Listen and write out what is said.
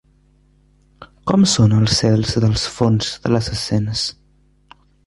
Com són els cels dels fons de les escenes?